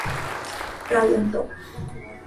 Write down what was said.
เรายังตก